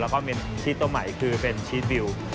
แล้วก็มีที่โต๊ะใหม่คือเป็นชีสบิล